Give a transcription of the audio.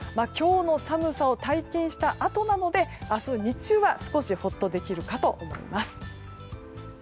今日の寒さを体験したあとなので明日日中は少しほっとできるかと思います。